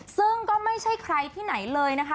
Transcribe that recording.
ซึ่งก็ไม่ใช่ใครที่ไหนเลยนะคะ